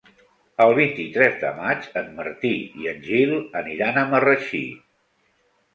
El vint-i-tres de maig en Martí i en Gil aniran a Marratxí.